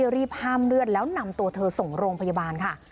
รีบห้ามเลือดแล้วนำตัวเธอส่งโรงพยาบาลค่ะ